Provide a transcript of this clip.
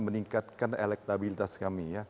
meningkatkan elektabilitas kami ya